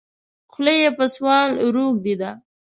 خوله یې په سوال روږده ده.